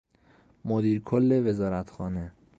مدیر کل وزارتخانه